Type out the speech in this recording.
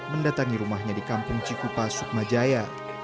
mendatangi rumahnya di kampung cikupa sukma jaya